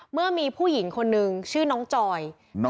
เมื่อมีผู้หญิงคนนึงชื่อน้องจอย